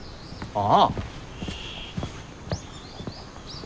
ああ。